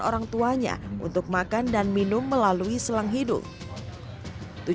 orang tuanya untuk makan dan minum melalui selang hidup